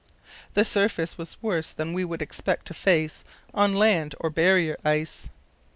The surface was worse than we would expect to face on land or barrier ice.